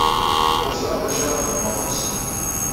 Ur ẓriɣ d acu ara xedmeɣ yess.